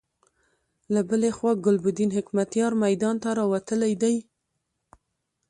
له بلې خوا ګلبدين حکمتیار میدان ته راوتلی دی.